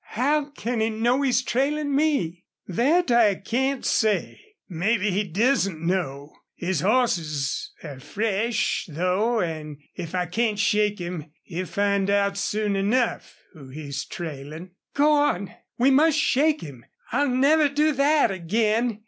"How can he know he's trailing me?" "Thet I can't say. Mebbe he doesn't know. His hosses air fresh, though, an' if I can't shake him he'll find out soon enough who he's trailin'." "Go on! We must shake him. I'll never do THAT again!